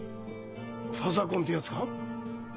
ファザコンってやつか？